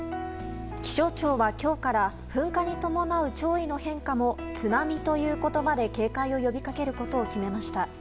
気象庁は今日から噴火に伴う潮位の変化も津波という言葉で、警戒を呼びかけることを決めました。